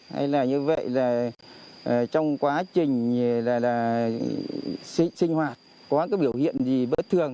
hay là như vậy là trong quá trình sinh hoạt có cái biểu hiện gì bớt thường